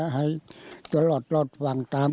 ให้ตลอดตามกันขอยลุ่มให้รวย